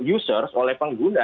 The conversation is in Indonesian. users oleh pengguna